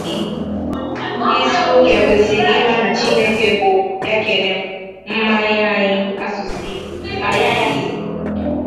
Ndịisi ụka kwesiri ịma na Chineke bụ ya kere ma nye anyị asụsụ Igbo